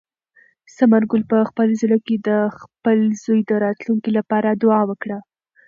ثمر ګل په خپل زړه کې د خپل زوی د راتلونکي لپاره دعا وکړه.